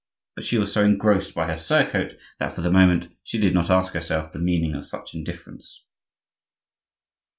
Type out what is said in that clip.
But she was so engrossed by her surcoat that, for the moment, she did not ask herself the meaning of such indifference.